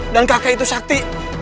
dan kakek itu sakti